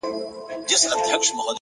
پوه انسان له تعصب لرې وي،